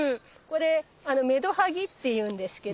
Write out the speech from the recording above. これメドハギっていうんですけど。